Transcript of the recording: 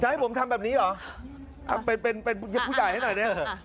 จะให้ผมทำแบบนี้เหรอเป็นผู้ใหญ่ให้หน่อยนะ